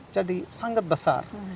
jadi sangat besar